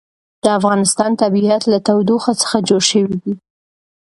د افغانستان طبیعت له تودوخه څخه جوړ شوی دی.